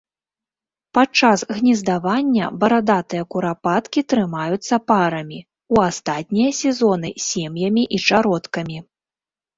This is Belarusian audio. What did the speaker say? Падчас гнездавання барадатыя курапаткі трымаюцца парамі, у астатнія сезоны сем'ямі і чародкамі.